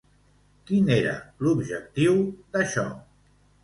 Quin era l'objectiu d'això?